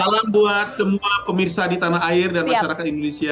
salam buat semua pemirsa di tanah air dan masyarakat indonesia